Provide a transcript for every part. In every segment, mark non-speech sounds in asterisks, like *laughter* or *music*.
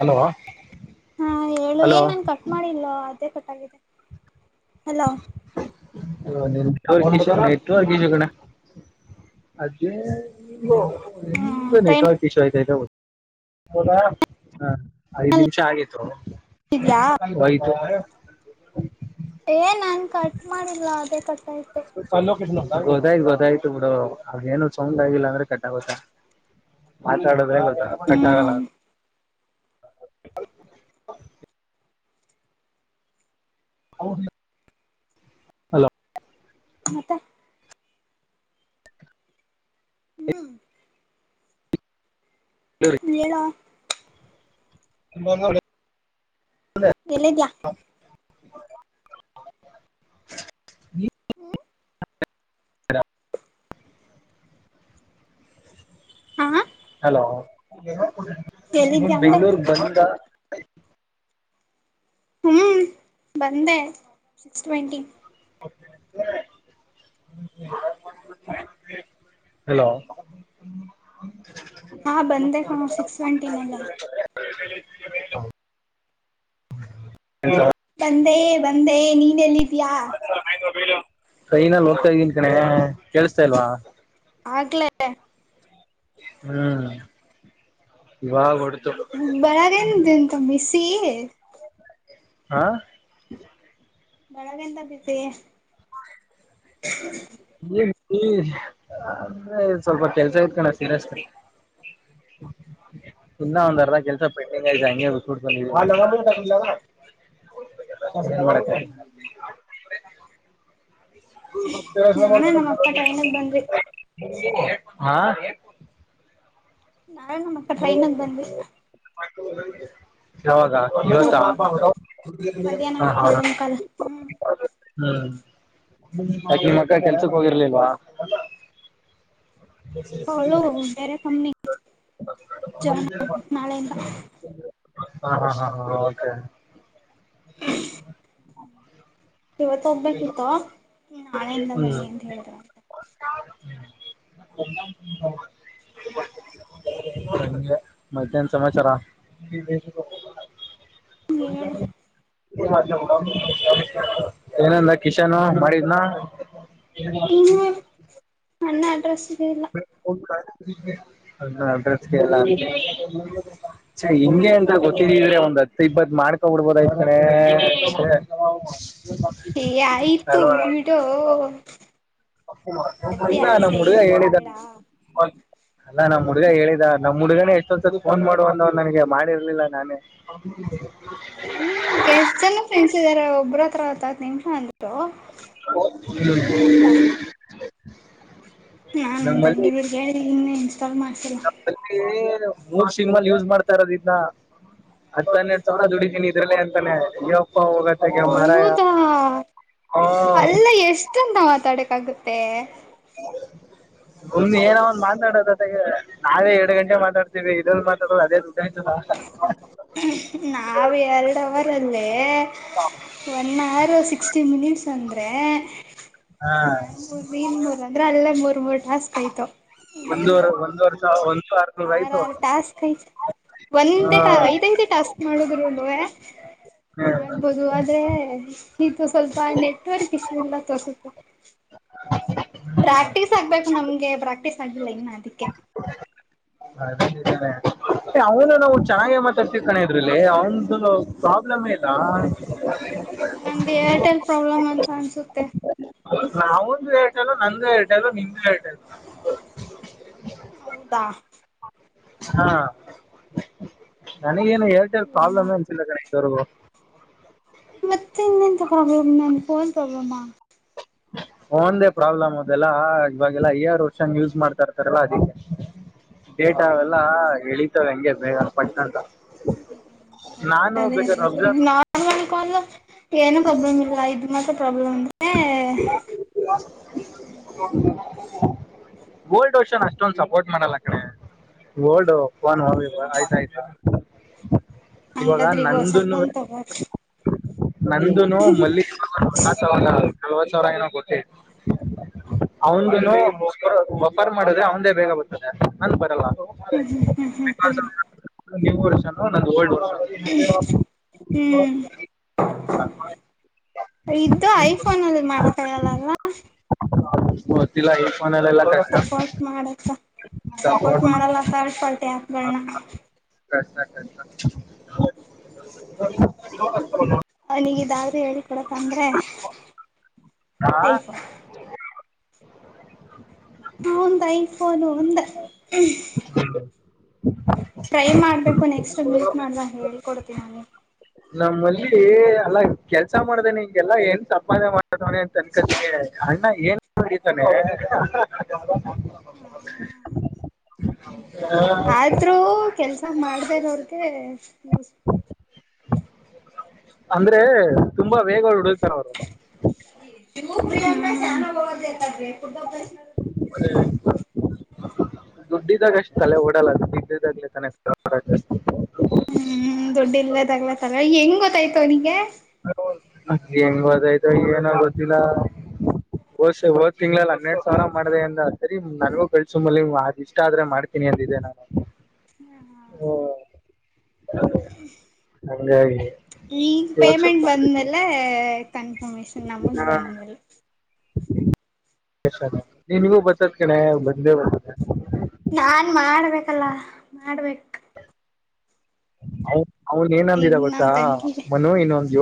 Hello ಹಾ ಹೇಳು ಏನ್ ನಾನ್ ಕಟ್ ಮಾಡಿಲ್ಲ. ಇದೆ ಕಟ್ಟಾಗಿದೆ ಹಲೋ *unintelligible* ಹೆಂಗೋ ಹ್ಮ್ ಟ್ರೈನ್ ನೆಟ್ವರ್ಕ್ ಇಶೂ ಆಯಿತೈತೆ ಗೋ ಹೌದಾ ಹಾ ಐದ್ ನಿಮಿಷ ಆಗಿತ್ತು ಇದ್ಯಾ ವೈತು *inaudible* ಏ ನನ್ ಕಟ್ ಮಾಡಿಲ್ಲ ಅದೇ ಕಟ್ ಆಯ್ತು ಪಲೋ ಕೆಟ್ನ ಗೊದಾಯ್ತ್ ಗೊತ್ತಾಯ್ತು ಬಿುಡು ಅದು ಏನೋ ಸೌಂಡ್ ಆಗಿಲ್ಲ ಅಂದ್ರೆ ಕಟ್ಟಾಗೊತ್ತಾ ಮಾತಾಡದೇ. ಕಟ್ಟಾಗಲ್ಲ ಹ್ಮ್ *inaudible* *inaudible* ಹಲೋ ಮತ್ತೆ ಹ್ಮ್ ಹೇಳೋ *inaudible* ಎಲ್ಲಿದ್ಯ *unintelligible* ಹ್ಮ ಹಾ ಹಲೋ ಇ ಎಲ್ಲಿದ್ಯಾ ಅಂದೆ ಬೆಂಗ್ಳೂರ್ ಬಂದ ಹ್ಮ್ ಬಂದೆ ಸಿಕ್ಸ್ ಟ್ವೆಂಟಿ ಹಲೋ ಹಾ ಬಂದೆ ಕಣೋ ಸಿಕ್ಸ್ ಸವೆಂಟಿನಲ್ಲ *inaudible* ತಂದೆ ಬಂದೇ ನೀನ್ ಎಲ್ಲಿ *inaudible* ಟ್ರೈನಲಿ ಹೋಗ್ತಾ ಇದ್ದೀನ್ ಕಣೆ ಕೇೇಳಸ್ತಾಲ್ವಾ ಆಗ್ಲೇ ಹ್ಮ್ ಇವಾಗ ಹೊಡ್ತು ಬೆಳಗನ್ ಎಂತ ಬಿಸಿ *inaudible* ಆ ಬೆಳಗೆ ಇಂತ ಬಿಸಿ ಅ ಸ್ವಲ್ಪ ಕೆಲ್ಸ ಇತ್ಕಣ ಸೀರಿಯಸ್ ಇನ್ನ ಒಂದರ್ದ ಕೆಲ್ಸ *unintelligible* ಅಂಗೆ ಬುಟ್ ಬಿಟ್ ಬಂದಿದಿವಿ *unintelligible* ಏನ್ಮಾಡಕ್ *unintelligible* ನಾನು ನಮ್ಮಕ್ಕ ಟ್ರೈನಿಗೆ ಬಂದ್ವಿ *unintelligible* ಹಾ ನಾನ್ ನಮ್ಮಪ್ಪ ಟ್ರೈನಿಗ್ ಬಂದ್ವಿ. *unintelligible* ಯಾವಾಗ ಇವತ್ತ ಮೂರ್ *unintelligible* ಗಂಟೆ ಮಧ್ಯಾಹ್ನ ಹ ಹ *unintelligible* ಎರಡು ಮುಕ್ಕಾಲು ಹ್ಮ್ ಹ್ಮ್ *unintelligible* ಯಾಕೆ ನಿಮ್ಮಕ್ಕ ಕೆಲ್ಸಕ್ ಹೋಗಿರ್ಲಲ್ವ. ಅವಳು ಬೇರೆ ಕಂಪನಿ *unintelligible* ಜಾಯಿನ್ ನಾಳೆಯಿಂದ ಹ ಹ ಹ ಹ ಓಕೆ. *unintelligible* ಇವತ್ತ ಹೋಗ್ಬೇಕಿತ್ತು ನಾಳೆಯಿಂದ ಹ್ಮ್ ಬನ್ನಿ ಅಂತ ಹೇಳಿದ್ರಂತ *unintelligible* ಮತ್ತೇನ್ ಸಮಚರ ಹೇಳ *unintelligible* ಮಾಡಡ *inaudible* ಏನಂದ ಕಿಶನ್ ಮಾಡಿದ್ನ ಹ್ಮ ಅಣ್ಣ ಅಡ್ರೆಸ್ ಇದೆ ಇಲ್ಲ ಹ ಅಡ್ರೆಸ್ಗೆ ಇಲ್ಲ ಚೇ ಹಿಂಗೆ ಅಂತ ಗೊತ್ತಿದ್ರೆ ಒಂದ್ ಹತ್ತು ಇಪ್ಪತ್ತು ಮಾಡ್ಕೊಬಿಡ್ಬೋಬುದ ಆಗಿತ್ತು ಕಣೆ ಏ ಆಯಿತು ಅಲ್ವಾ ಬಿಡೋ. ಇಲ್ಲ ನಮ್ಮ್ ಹುಡುಗ ಹೇಳಿದ್ದ ಪಡ್ಬೇಡ ಅಲ್ಲಾ ನಮ್ ಹುಡ್ಗ ಹೇಳಿದ ನಮ್ ಹುಡ್ಗನೇ ಎಷ್ಟೊಸದ ಫೋನ್ ಮಾಡುವಂತ ಮಾಡು ಅಂದವನೇ ನನಗೆ ಮಾಡಿರ್ಲಿಲ್ಲ ಹ್ಮ್ ಎಸ್ಟ ಜನ ಫ್ರೆಂಡ್ಸ್ ಇದ್ದಾರೆ ಒಬ್ಬರು *unintelligible* *inaudible* *inaudible* ನಾನ್ ನನ್ ನಮ್ಮಲ್ಲಿ ತಂಗಿದಿರ್ಗೆ ಹೇಳಿದೀನಿ *unintelligible* ಮೂರ್ ಸಿಮ್ ಅಲ್ಲಿ ಯೂಸ್ ಮಾಡ್ತಾ ಇರೋದ ಇದನ್ನ ಅತ್ತು ಅನ್ನೆರಡು ಸಾವಿರ ದುಡಿತೀನಿ ಇದ್ರಲ್ಲ. *unintelligible* ಹೋಗತಗೆ ಮಾರಾಯಾ ಹೌದಾ ಹ್ಮ್ ತೆಗುತ್ತೆ ಮುಂದ ಏನ ಒಂದ ಮಾತಾಡೋದದಗೆ ನಾಳೆ ಎರಡ್ ಗಂಟೆ ಮಾತಾಡ್ತೇವಿ ಇದಲ್ಲಿ ಮಾತಾಡದು ಅದೇ ಊಟಾಯತ. ನಾಾವ ಎರಡು ಅವರಲ್ಲಿ ಒನ್ನ ಸಿಕ್ಸ್ ಿನಿ ಅಂದ್ರೆ ಹಾ ನ ಮೂ ಮೂರ್ ಅಂದ್ರೆ ಅಲ್ಲ *unintelligible* ತುಂಬ ಟಾಸ್ಕ್ ಆಯಿತ. ಒಂದವರೆ ಒಂದುವರೆಷ ಒ ಆರ ಆರು ಟಾಸ್ಕ್ ಐತ ಒಂದಟೆ ಐದ್ಐಟ ಟಾಸ್ಕ್ ಮಾಡುದ್ರು ಹ ಮಾಡ್ಬೋದು ಆದ್ರೆ ಇದು ಸ್ವಲ್ಪ ನೆಟ್ವರ್ಕ್ ಇಶ್ಯೂ ಇಲ್ಲ ತಸಪ. *inaudible* ಪ್ರಾಕ್ಟೀ್ ಆಗ್ಬೇಕು ನಮ್ಗೆ ಪ್ರಾಕ್ಟೀ್ ಸಗಿಲೆನ ಅದಕ್ಕೆ ಅವನು ನಾವು ಚೆನ್ನಾಗೆ ಮಾತಾಡ್ತಿರ್ ಕಾನ ಇದ್ರಲ್ಲಿ ಅವನ್್ದ ಪ್ರಾಬ್ಲಮ ಇಲ್ಲ. ನಮ್ದು ಏರ್ಟೆಲ್ ಪ್ರಾಬ್ಲಮ್ ಅಂತ. ಕನ್ಿಸುತ್ತೆ. ನಾವುಂದು ಹೇಳ್ಟ ಅಲ್ಲ ನ್ದು ಹೇಟಲ್ಲ ನಿಮ್ದು ಹೇಳ್ಟ ಇಲ್ಲ ಹೌದಾ ಹಾ ನ. ನನಗೇನು ಏರ್ಟೆಲ್ ಪ್ರಾಬ್ಲಮ್ ಅನ್ಸಿಲ್ಲ ಕಣೆ ಸ. ಪ್ರೊಬ್ಲಮ ನ ಫನ್ ಪ್ರಬ್ರಮ್ಮಾ ಂದೇ ಪ್ರಾಬ್ಲಮ್ ಅದೆಲ್ಲ ಇವಾಗೆಲ್ಲ ಈಆರ್ ವರ್ಷನ್ ಯೂಸ್ ಮಾಡ್ತಾ ಇರ್ತಾರಲ್ಲಾ ಅದಕ್ಕೆ ಡೇಟಾ ಅವೆಲ್ಲ ಎಳಿತವೆ ಹಂಗೆ ವಗ ಪಟ್ಟಣದ *inaudible* ಅ ನಿಕ ಅಬ್ಸರ್ವ್ ಏನು ಪ್ರಾಬ್ಲಮ್ ಇಲ್ಲ ಇ ಮತ್ತೆ ಪ್ರಾಬ್ಲೆಮ್ ಓಲ್ಡ್ ಓಷನ್ ಅಷ್ಟೊಂದ್ ಸಪೋರ್ಟ್ ಮಾಡಲ್ಲ ಕಡೆ ಓಲ್ಡ್ ನ್ ಹ ಆಯ್ತ ಆಯ್ತು. ಹ ಇವಾಗ ಹಂಗಾದ್ರೆ ಈಗ ಹೊಸ ನಂದನ್ನು ಫೋನ್ ತಗೋಬೇಕು ನಂದುನು ಮಲ್ಲಿಕ್ ನಲ್ವತ್ ಸಾವಿರ ನ ಗೊತ್ತ ಅವಂದನು ವಪರ್ ಮಾಡುದೆ ಅವದೇ ಬೇಗ ಬರ್ತ್ತದೆ ನನ್ ಬರಲ್ಲ ಹ್ಮ್ ಹ್ಮ್ ಹ್ಮ್ ಹ್ಮ್ ಹ್ಮ್ ನೀವು ವರ್ಷ ನ ಒಳ್ಳ ಹ್ಮ್ ಹ್ಮ್ಮ್. ಐಫೋನಲ್ಲ ಮಾಡಕ್ಕಾಗಲ್ಲ ಅಲ್ವಾ. ಗೊತ್ತಿಲ್ಲ ಫೋನಲ್ಲೆಲ್ಲ ಕಷ್ಟ ಸಪೋರ್ಟ್ ಮಾಡತ್ತ ಸಪೋರ್ಟ್ ಮಾಡಲ್ಲ ಸಕಲ್ಟೆ ಆಪ್ ಗಳನ್ನ *inaudible* ಅವನಗ ಇದಾದ್ರೂ ಹೇಳಿ ಕೊಡಪ್ಪ ಅಂದ್ರೆ. ಆ ಹೈಫಾ. *inaudible* ಅವಂದು ಐಫೋನು ಒಂದ. ಟ್ರೈ ಮಾಡ್ಬೇಕು ನೆಕ್ಸ್ಟ್ ಮೀಟ್ ಮಾಡದ ಹೇಳ್ಕೊಡ್ತೀನಿ ನಲ್ಲಿ. ನಮ್ಮಲ್ಲಿ ಅಲ್ಲಾ ಕೆಲ್ಸ ಮಾಡ್ದಾನೆ ಹಿಂಗೆಲ್ಲಾ ಏನ್ ಸಂಪಧನೆ ಮಾಡ್ತವಾನೆ ಅಂತ ಅನ್ಕತ್ತೆ ಅಣ್ಣ ಏನ್ ಮಾಡಡಿತಾನೆ. ಹಾ. ಹೌ ಆದ್ರೂ ಕೆಲ್ಸ. ಹ ಮಾಡ್ದೇ ಇರೋರಿಗೆ. *inaudible* ಅಂದ್ರೆ ತುಂಬಾ ವೇಗ ಹುಡುಕ್ *inaudible* *unintelligible* *inaudible* ದುಡ್ಡಿದಾಗ ಅಷ್ಟು ತಲೆ ಓಡಲ್ಲ ಅದು ಬಡ್ಡಿದಾಗಲೆ ತನಷ್ಟ ಹ್ಮ್ ದುಡ್ ಇಲ್ಲದಾಗ್ಲತ್ತಲ್ವಾ ಹೆಂಗ ಗ ಆಯ್ತೋ ಅವನಿಗೆ ಹೆಂಗ್ ಗದಾಯ್ತು ಏನ ಗೊತ್ತಿಲ್ಲ ಹೋದ ತಿಂಗಗಳಲ್ಲಿ ಹನ್ನೆರಡ್ ಸಾವಿರ ಮಾಡಿದೆ ಅಂದ ಸರಿ ನನಗೂ ಕಳ್ಸು ಮಲ್ಲಿ ಇಷ್ಟ ಆದ್ರೆ ಮಾಡ್ತೀನಿ ಅಂದಿದೆ ನಾನು. ಹಂಗಾಗಿ *inaudible* ಇವಾಗ ಪೇಮೆಂಟ್ ಸ್ವಲ್ಪ ಬಂದ್ಮೇಲೆ. ಎ. ಕನ್ಫರ್ಮೇಷನ ನಮಗೆ ಬಂದಮೇಲೆ. ಏ ನಿಂಗೂ ಬತ್ತತ್ ಕಣೆ ಬಂದೇ ಬರ್ತೈತೆ. ನಾನು ಮಾಡಬೇಕಲ್ಲ ಮಾಡ್ಬೇಕು. *inaudible* ಹೌ. ಅವನು ಏನ್ ಈಗ ಅಂದಿದ್ದ ಗೊತ್ತಾ ನನ್ ತಂಗಿಗೆ ಮನು ಇನ್ನೊಂದು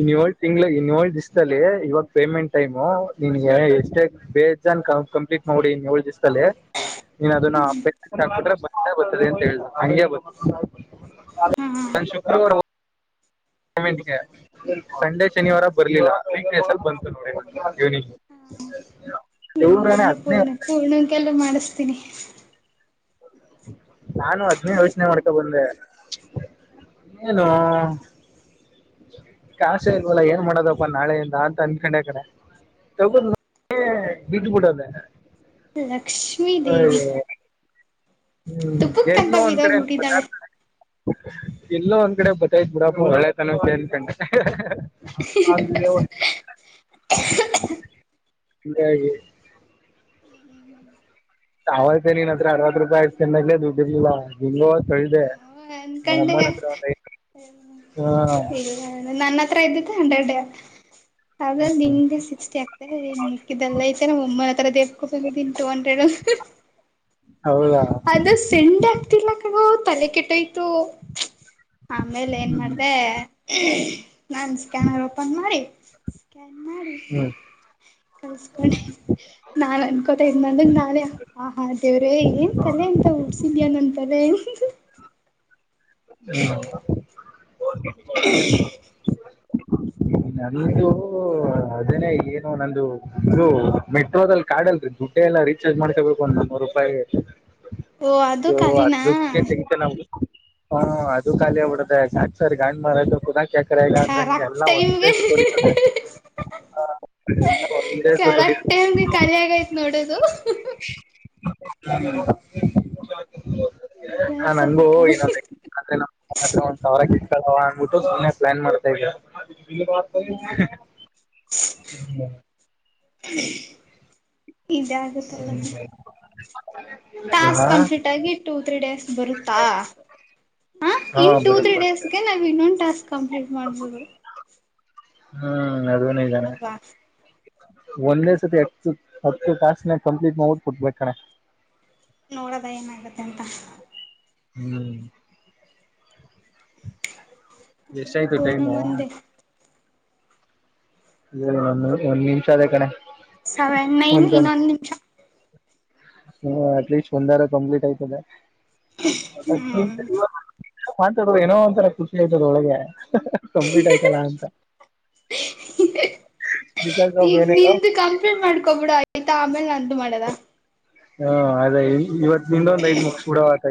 ಇನ್ನ ಏಳು ತಿಂಗಳಲ್ಲಿ ಏಳು ದಿಸದಲ್ಲಿ ಇವಾಗ ಪೇಮೆಂಟ್ ಟೈಮು ಇನ್ ಎಷ್ಟೇ ಬೇಜಾನ್ ಕಂಪನಿಗೆ ಮಾಡ್ಬಿಟ್ಟಿದ್ದೀನಿ. ನೀನ್ ಅದನ್ನ್ರೆ ಮತ್ತೆ ಬರ್ತೀನಿ ಅಂತ ಹೇಳಿದೆ ಅಂಗೆ ಬರ್ತೀನಿ ಹಾ ನಾನು ಶುಕ್ರವಾರ ಹೋಗ ಕಮೆಂಟ್‌ಗೆ ಸಂಡೇ ಶನಿವಾರ ಬರ್ಲಿಲ್ಲ. *unintelligible* ಬಲ್ಪ. *unintelligible* ದೇವರಾಣೆ ಅದ್ನೇ ಅದ್ನೇ. ಬೀಸ್ತೀನಿ *unintelligible* ನಾನು ಅದನ್ನೇ ಯೋಚನೆ ಮಾಡ್ಕೊಂಡು ಬಂದೆ ಏನೋ ಕಾಸ ಇಲ್ವಲ್ಲ ಏನ್ ಮಾಡೋದಪ್ಪ ನಾಳೆಯಿಂದ ಅಂತ ಅನ್ಕೊಂಡೆ ಕನೆ ಕಡೆ ತಗದ ಬಿಟ್ಬಿಡದೆ ಲಕ್ಷ್ಮೀ ದೇವಿ ಹ್ಮ್ ತುಪ್ಪುಕ್ ಎಲ್ಲ ಅಂತ ಒಂದ್ ಕಡೆ ಬರ್ತಾ ಬಿದೋಗ್ಬಿಟ್ಟಿದ್ದಾಳೆ ಇ ಎಲ್ಲೋ ಒಂದ್ ಕಡೆ ಬತ್ತೈತ್ ಬಿಡಪ್ಪ ಒಳ್ಳೆತನಕ್ಕೆ ಅನ್ನಕೊಂಡೇ ಹ್ಹ ಹ್ಹ ಹ್ಹ ಹ್ಹ. ಅಲ್ಲೇವಲಿ. ಇವರ್ಯಾಗಿ. ಅವತ್ತು ನೀನ್ ಹತ್ರ ಅರವತ್ತು ರೂಪಾಯಿ ದುಡ್ಡಿರ್ಲಿಲ್ಲ ಹಂಗ ಸಳ್ದೆ ಅನ್ಕೊಂಡೆ *unintelligible* ಇಲ್ಲ ನನ್ನತ್ರ ಅತ್ರಾ ಇದ್ದಿತಾ ಅನ್ಡಡಾ. ಅ್ರ ನಿಂಗೆ ಸಿಕ್ಸ್ಟಿ ಆಗ್ತದೆ ಹ ಮಿಕ್ಕಿದ್ದಲ್ಲ ಐತೆ ನ ಒಮ್ಮನ ಹತ್ರರ ದೇಬ್ಕೊಬನ್ ಟು ಹಂಡ್ರ ಅಂಥ ಹೇಳೋ ಹ್ ಹೌದಾ *inaudible* ತಲೆ ಕೆಟ್ಟೋಯ್ತ. ಆಮೇಲೆ ಏನ್ ಹ್ಮ್ ಮಾಡ್ದೆ ನಾನ್ ಸ್ಕ್ಯಾನರ್ ಓಪನ್ ಮಾಡಿ. *unintelligible* ಹ್ಮ್ ಕಲ್ಸ್ಕೊಂಡೆ ನಾನ್ ಅನ್ಕೋತ ಇದ್ ನನಗ್ ನಾನೆ ಆ ಹಾ ದೇವ್ರೆ ಏನ್ ತಲೆ ಅಂತ ಹುಟ್ಸಿದ್ಯಾ ನನ್ ತಲೆ. ಹ್ಮ *unintelligible* ನಂದುಂದು ಅದನೇ ಏನು ನಂದು ಇದು ಮೆಟ್ರೋದಲ್ಲಿ ಕಾಡಲ್ಲಿ ದುಡ್ಡೆ ಎಲ್ಲಾ ರೀಚಾರ್ಜ್ ಮಾಡ್ಕೊಬೇಕು ನೂರು ರೂಪಾಯಿ ಓ ಅದು ಇದು ಖಾಲಿನ ಅದಕ್ಕೆ ತೆಗಿತೆ ನಾವು ಹಾ ಅದು ಖಾಲಿ ಆಗ್ಬಿಡುತ್ತೆ ಚಾರ್ಜರ್ ಹಾಕ್ಬಾರ್ದು ಅಂತ ಗೊತ್ತಾಗಲ್ವಾ ಚಕರೆ ಇಲ್ಲ ಅಂದ್ರೆ ಎಲ್ಲಾ ಒಂದೇ ಈ ಈ ಸತಿ ಹೊಡಿತದೆ ಈ ಎಲ್ಲ ಒಂದೇ ಸತಿ ಕರೆಕ್ಟ್ ಹೊಡಿತದೆ ಟೈಮ್ ಖಾಲಿ ಆಗೈತ್ ನೋಡೋದು ಹ್ಮ ಹಾಂ ಬೇಜಾರ್ ನಂಗೂ ಇದೊಂದು *inaudible* ಒಂದ್ ಸಾವರ. ಅದು ಅಂದಬುಟುದ ಹಂಗೆ ಪ್ಲಾನ್ ಮಾಡ್ತಾ ಇದ್ದೆ. ಈ ಬಾಸ್ ಸಯಿಯೇ *unintelligible* ಇದಾ ಆಗುತಲಮ್ಮ. ಹಾ ಟಾಸ್ಕ್ ಕಂಪ್ಲೀಟ್ ಆಗಿ ಟು ತ್ರೀ ಡೇಸ್. ಬರುತ್ತಾ ಹ ಹಾಂ ಇನ್ ಟೂ ತ್ರಿ ಬರುತ್ತೆ ಡೇಸ್ಗೆ ನಾವು ಇನ್ನೊಂದ್. ಟಾಸ್ಕ್ ಕಂಪ್ಲೀಟ್ ಮಾಡ್ಬೋದು. ಹ್ಮ ಹ್ಮ ಅದು ನಿಜಾನೆ ಅಲ್ವಾ ಒಂದೇ ಸತಿ ಎ ಹತ್ತು ಟಾಸ್ಕ್ ಕಂಪ್ಲೀಟ್ ಮಾಡದ ಕೊಟ್ಬೇಕ ಕಣ ನೋಡದ ಎನ್ ಆಗತಂತಾ. ಹ್ಮ್ ಎಷ್ಟ ನಾನೀಗ ಆಯಿತು ಪೂರ್ಣಗ್ ಟೈಮು. ಒಂದೆ ಇಲ್ಲ ಒಂದು ಒಂದು ನಿಮಿಷ ಅದ ಕಣೆ ಸೆವೆನ್ ನೈನ್ ಗೆ ಇನ್ನೊಂದು ನಿಮಿಷ ಹ್ಮಂ ಅಟ್ಲೀಸ್ಟ್ ಒಂದರ ಕಂಪ್ಲೀಟ್ ಆಯಿತಲ್ಲಾ. ತತ್ತಿ ಹ್ಮ್ ಇಂದಾ. *unintelligible* ಮಾತಾಡೋವಾಗ ಏನೋ ಒಂಥರಾ ಖುಷಿ ಆಯ್ತದೆ ಒಳಗೆ ಆಹಾ ಕಂಪ್ಲೀಟ್ ಆಯ್ತಲ್ಲ ಅಂತ ಬಿಕಾಸ್ ಆಫ್ ಈಗ ಏನೇನೋ ನಿಂದು ಕಂಪ್ಲೇಂಟ್ ಮಾಡ್ಕೊಬಿಡ ಯ್ತ ಆಮೇಲೆ ನಂದು ಮಾಡದಾ ಹಾ ಅದೇ ಇವತ್ತು ನಿಂದೊಂದ ಐ್ ಮುಕ್ಷುೂಡಾ ಆತ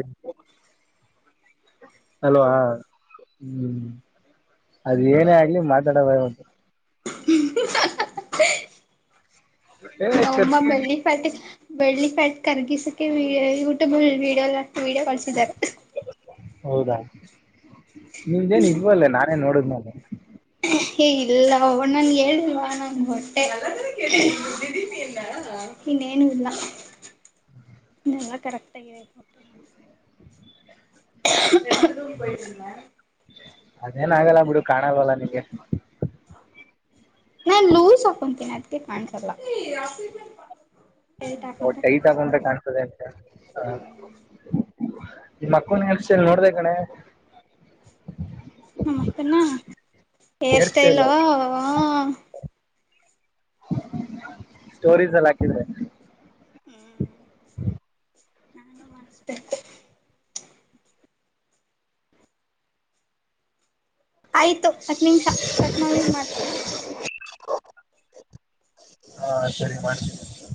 ಹಲೋ ಹಾ ಹ್ಮ್ ಅದ ಏನೇ ಆಗ್ಲಿ ಮಾತಾಡ ಬಂತು ಹ್ಮ ನಮ್ಮ ಬೆಳ್ಳಿ ಪಟ್ಟಿ ಬೆಳ್ಳಿ ಫ್ಯಾಟ್ ಕರ್ಗಿಸಕ್ಕೆ ಯೂಟ್ಯೂಬ್ ಅಲ್ಲಿ ವೀಡಿಯೋ ವೀಡಿಯೋ ಕಸಿದ್ದಾರೆ ಹೌದಾ ನಿಮ್ದೇನ್ ಇಲ್ವಲ್ಲೇ ನಾನೇನ್ ನೋಡ ಅದ ಏ ಇಲ್ಲ ನನ್ ಹೇಳಿಲ್ಲ ನ ಹೊಟ್ಟೆ ಇನ್ನೇನು ಇಲ್ಲ ಇಲ್ಲ ಕರೆಕ್ಟ್ ಆಗಿದೆ ಹೊಟ್ಟೆ *inaudible* ಅದೇನ್ ಆಗಲ್ಲ ಬಿಡು ಕಾಣಾಗಲ್ಲ ನಿಂಗೆ ನಾನ್ ಲೂಸ್ ಹಾಕೊತೀನಿ ಅದ್ಕ ಕಾಣಸಲ್ಲ *inaudible* ಒ ಹಾಕೊಂಡ್ರೆ ಟೈಟು ಕಾಣಸುತ್ತೆ ಹಾಕ್ಕೊಂಡ್ರೆ ಕಾಣ್ತದೆ ಅಂತ ಹ ಹ್ಮ್ ನಿ ಮಕ್ಕೂನ್ ಹೆನ್ಸಲ್ ನೋಡ್ದ ಕಣೆ ನಮ್ಮಕ್ಕನ ಹೇರ್ ಸ್ಟೈಲ್ ಹೂ ಹಾ ಸ್ಟೋರೀಸ್ ಎಲ್ಲ ಹಾಕಿದ್ರೆ *inaudible* ಹ್ಮ್ ನಾನು ಮಾಡಸ್ತೇ ಆಯ್ತು ಹತ್ ನಿಮಿಷ ಕಟ್ ಮಾಡ ಮಾಡ ಹಾ ಸರಿ ಮಾಡ್ತಿನಿ